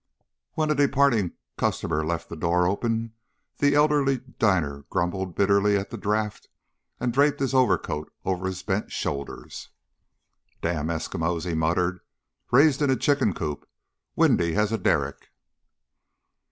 When a departing customer left the door open, the elderly diner grumbled bitterly at the draught and draped his overcoat over his bent shoulders. "Dam' Eskimos!" he muttered. " raised in a chicken coop Windy as a derrick!"